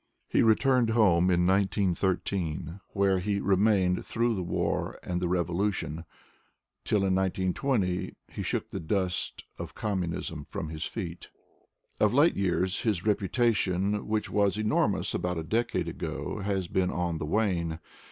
He returned home in 191], where he remained through the nar and the revolution, till in 1920 be shook the dust of communism from his feet. Of late years, his reputation, which was enormous abour a decade ago, has been on the wane.